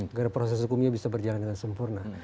agar proses hukumnya bisa berjalan dengan sempurna